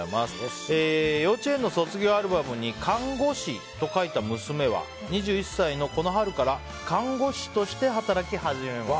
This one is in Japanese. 幼稚園の卒業アルバムに看護師と書いた娘は２１歳のこの春から看護師として働き始めます。